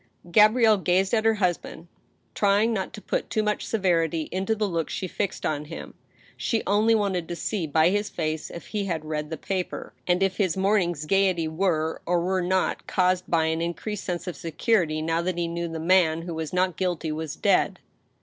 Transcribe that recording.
Gabrielle gazed at her husband, trying not to put too much severity into the look she fixed on him. She only wanted to see by his face if he had read the paper, and if his morning's gayety were, or were not, caused by an increased sense of security now that he knew the man who was not guilty was dead.